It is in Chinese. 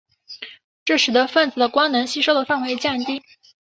这使得分子的光能吸收的范围降低。